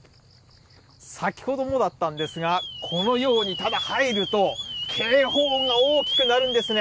先ほどもだったんですが、このようにただ入ると、警報音が大きく鳴るんですね。